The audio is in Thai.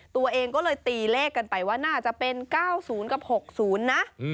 ตัวเองก็เลยตีเลขกันไปว่าน่าจะเป็น๙๐กับ๖๐นะ